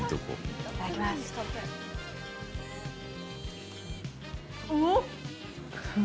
いただきまーす。